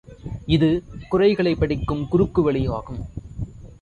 இது குறளைப் படிக்கும் குறுக்கு வழியாகும்.